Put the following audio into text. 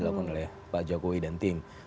dilakukan oleh pak jokowi dan tim